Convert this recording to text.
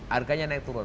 harganya naik turun